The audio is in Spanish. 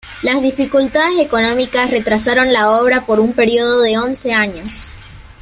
Las dificultades económicas retrasaron la obra por un periodo de once años.